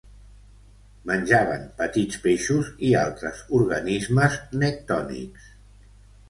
Menjaven petits peixos i altres organismes nectònics.